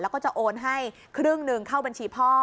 แล้วก็จะโอนให้ครึ่งหนึ่งเข้าบัญชีพ่อ